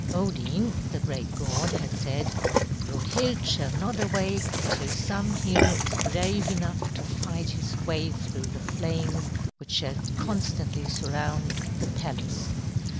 Odin, the great god, had said, "Brunhild shall not awake till some hero is brave enough to fight his way through the flames which shall constantly surround the palace.